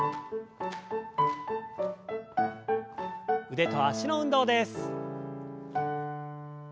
腕と脚の運動です。